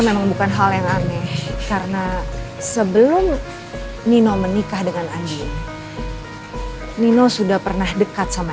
memang bukan hal yang aneh karena sebelum nino menikah dengan andi nino sudah pernah dekat sama